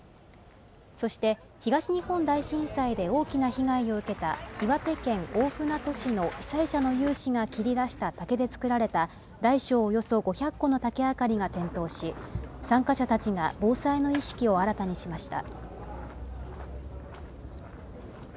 そして、東日本大震災で大きな被害を受けた岩手県大船渡市の被災者の有志が切り出した竹で作られた、大小およそ５００個の竹あかりが点灯し、参加者たちが防災の意識を新たにしました。